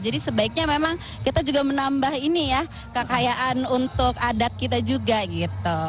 jadi sebaiknya memang kita juga menambah ini ya kekayaan untuk adat kita juga gitu